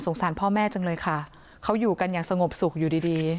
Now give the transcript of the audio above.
สารพ่อแม่จังเลยค่ะเขาอยู่กันอย่างสงบสุขอยู่ดีดี